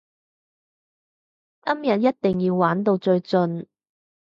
今日一定要玩到最盡！